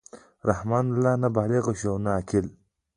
رحمان لا نه بالِغ شوم او نه عاقل.